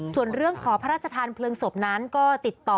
ส่วนเรื่องขอพระราชทานเพลิงศพนั้นก็ติดต่อ